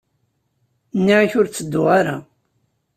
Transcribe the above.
Nniɣ-ak ur ttedduɣ ara.